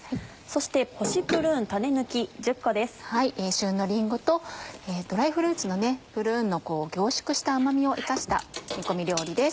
旬のりんごとドライフルーツのプルーンの凝縮した甘味を生かした煮込み料理です。